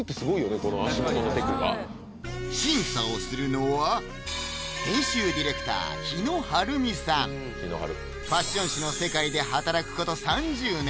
この足元のテクがファッション誌の世界で働くこと３０年